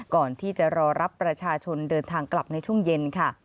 ก่อนที่จะรอรับประชาชนเดินทางกลับในช่วงเย็นค่ะ